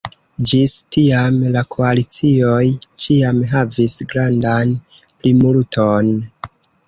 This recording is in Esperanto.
Ĝis tiam la koalicioj ĉiam havis grandan plimulton.